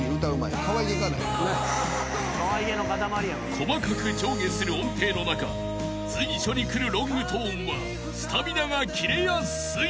［細かく上下する音程の中随所にくるロングトーンはスタミナが切れやすい］